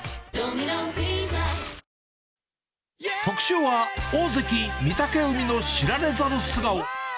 特集は、大関・御嶽海の知られざる素顔。